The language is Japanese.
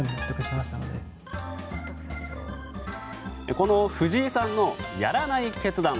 この藤井さんのやらない決断。